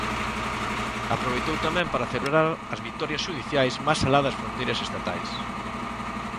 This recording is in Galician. Aproveitou tamén para celebrar as vitorias xudiciais máis alá das fronteiras estatais.